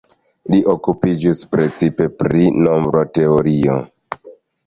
Li okupiĝis precipe pri nombroteorio.